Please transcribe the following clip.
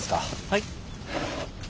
はい。